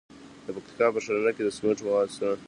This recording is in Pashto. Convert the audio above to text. د پکتیکا په ښرنه کې د سمنټو مواد شته.